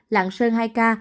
lạng sơn hai ca